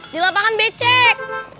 di lapangan becek